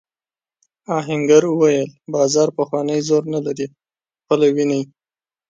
آهنګر وویل بازار پخوانی زور نه لري خپله وینې.